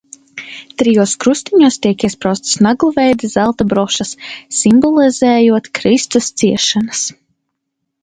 Trijos krustiņos tiek iespraustas naglveida zelta brošas, simbolizējot Kristus ciešanas.